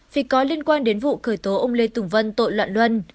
vì có liên quan đến vụ khởi tố ông lê tùng vân tội loạn luân